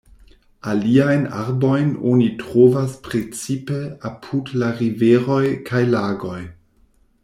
Aliajn arbojn oni trovas precipe apud la riveroj kaj lagoj.